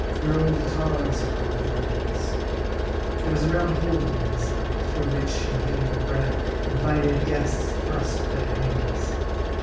Your old tars are all Daniels. There was a round hole in one side, through which, in getting at the bread, invited guests thrust their hands.